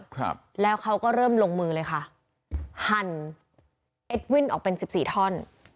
ครับแล้วเขาก็เริ่มลงมือเลยค่ะหั่นเอ็ดวินออกเป็นสิบสี่ท่อน